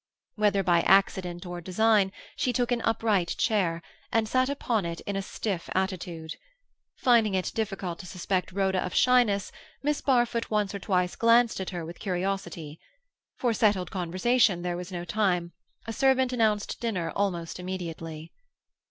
Whether by accident or design, she took an upright chair, and sat upon it in a stiff attitude. Finding it difficult to suspect Rhoda of shyness, Miss Barfoot once or twice glanced at her with curiosity. For settled conversation there was no time; a servant announced dinner almost immediately.